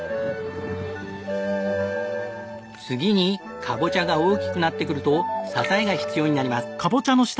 次にカボチャが大きくなってくると支えが必要になります。